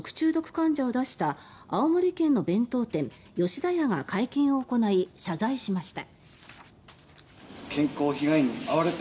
患者を出した青森県の弁当店、吉田屋が会見を行い謝罪しました。